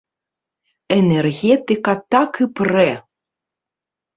Энергетыка так і прэ!